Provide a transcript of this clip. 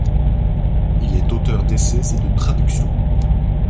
Il est auteur d'essais et de traductions.